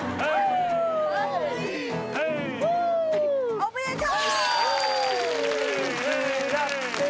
おめでとう！